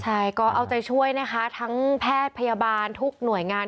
ใช่ก็เอาใจช่วยนะคะทั้งแพทย์พยาบาลทุกหน่วยงาน